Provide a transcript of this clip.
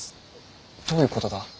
どういうことだ。